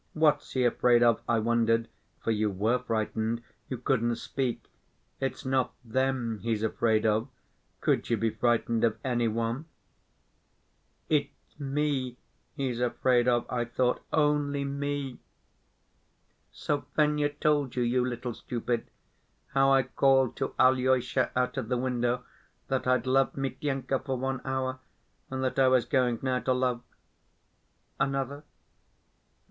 What's he afraid of? I wondered. For you were frightened; you couldn't speak. It's not them he's afraid of—could you be frightened of any one? It's me he's afraid of, I thought, only me. So Fenya told you, you little stupid, how I called to Alyosha out of the window that I'd loved Mityenka for one hour, and that I was going now to love ... another.